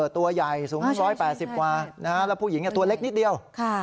ตัวใหญ่สูง๑๘๐กว่าแล้วผู้หญิงตัวเล็กนิดเดียว